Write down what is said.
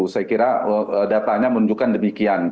saya kira datanya menunjukkan demikian